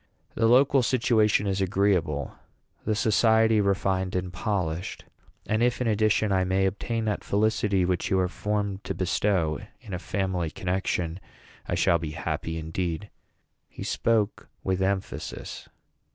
The local situation is agreeable, the society refined and polished; and if, in addition, I may obtain that felicity which you are formed to bestow in a family connection, I shall be happy indeed." He spoke with emphasis.